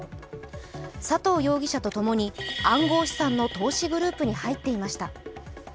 佐藤容疑者とともに暗号資産の投資グループに入っていました。